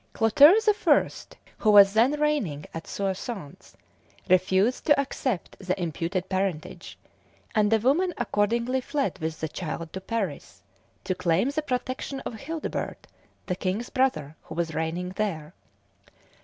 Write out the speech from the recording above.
Clotaire the First, who was then reigning at Soissons, refused to accept the imputed parentage, and the woman accordingly fled with the child to Paris, to claim the protection of Childebert, the king's brother, who was reigning there.